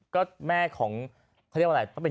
ก็แม่ของเขาเรียกว่าอะไร